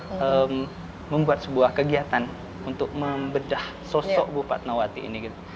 kami juga bhs bengkulu heritage society tahun lalu membuat sebuah kegiatan untuk membedah sosok bupat mawati ini gitu